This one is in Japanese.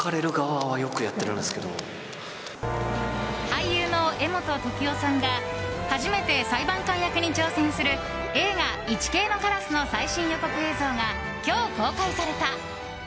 俳優の柄本時生さんが初めて裁判官役に挑戦する映画「イチケイのカラス」の最新予告映像が今日公開された。